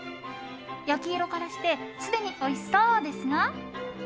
焼き色からしてすでにおいしそうですが。